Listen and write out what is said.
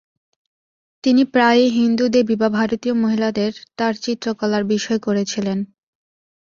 তিনি প্রায়ই হিন্দু দেবী বা ভারতীয় মহিলাদের তার চিত্রকলার বিষয় করেছিলেন।